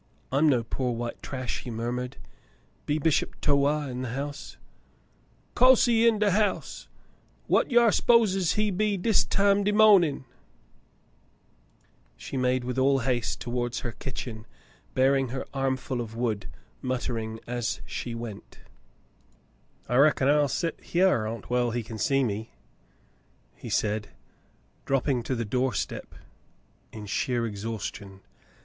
"I'm no poor white trash," he murmured. "Be Bishop Towah in the house ?*' "Co'se he in de haouse. Whar yo s'poses he be dis time de mawnin' ?" She made with all haste toward her kitchen, bearing her armful of wood, muttering as she went. "I reckon I'll set hyar ontwell he kin see me," he said, dropping to the doorstep in sheer exhaustion.